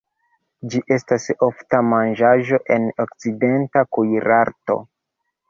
Ĝi estas ofta manĝaĵo en okcidenta kuirarto.